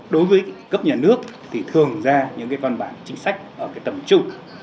đối với cấp nhà nước thì thường ra những con bản chính sách ở tầm trụ